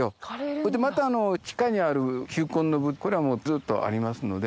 それでまた地下にある球根のこれはもうずっとありますので。